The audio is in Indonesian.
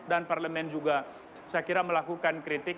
dan parlemen juga saya kira melakukan kritik